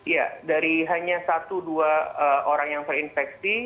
ya dari hanya satu dua orang yang terinfeksi